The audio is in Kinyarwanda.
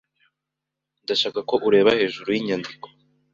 Ndashaka ko ureba hejuru yinyandiko.